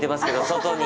外に。